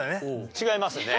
違いますね。